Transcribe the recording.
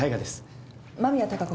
間宮貴子